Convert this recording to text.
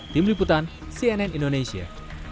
tim liputan cnn indonesia